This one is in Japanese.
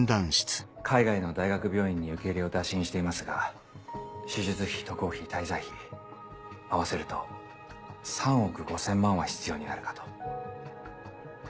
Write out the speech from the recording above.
海外の大学病院に受け入れを打診していますが手術費渡航費滞在費合わせると３億５０００万は必要になるかと。